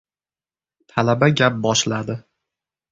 talaba gap boshladi.